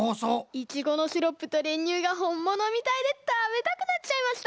イチゴのシロップとれんにゅうがほんものみたいでたべたくなっちゃいました！